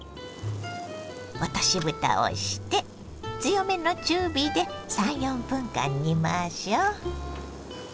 落としぶたをして強めの中火で３４分間煮ましょ。